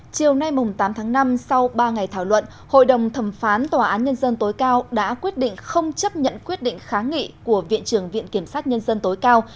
chiều nay tám tháng năm sau ba ngày thảo luận hội đồng thẩm phán tòa án nhân dân tối cao đã quyết định không chấp nhận quyết định kháng nghị của viện trưởng viện kiểm sát nhân dân tối cao